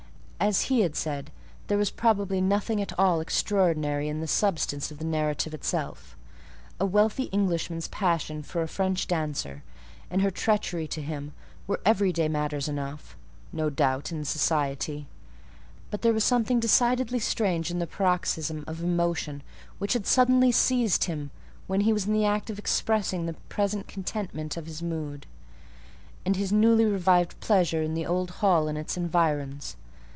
As he had said, there was probably nothing at all extraordinary in the substance of the narrative itself: a wealthy Englishman's passion for a French dancer, and her treachery to him, were every day matters enough, no doubt, in society; but there was something decidedly strange in the paroxysm of emotion which had suddenly seized him when he was in the act of expressing the present contentment of his mood, and his newly revived pleasure in the old hall and its environs.